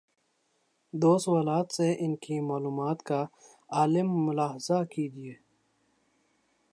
دو سوالات سے ان کی معلومات کا عالم ملاحظہ کیجیے۔